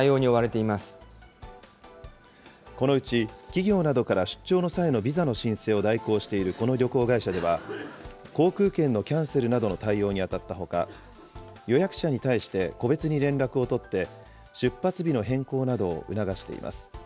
ーこのうちきぎょうなどから出張の際のビザの申請を代行しているこの旅行会社では、航空券のキャンセルなどの対応に当たったほか、予約者に対して、個別に連絡を取って、出発日の変更などを促しています。